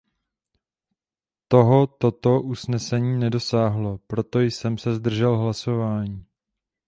Toho toto usnesení nedosáhlo, proto jsem se zdržel hlasování.